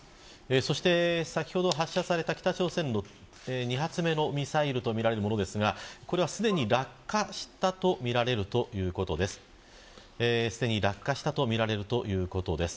そして、先ほど発射された北朝鮮の２発目のミサイルとみられるものですがこれはすでに落下したとみられるということです。